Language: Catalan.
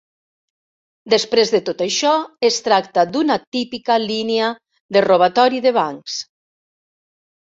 Després de tot això es tracta d'una típica línia de robatori de bancs.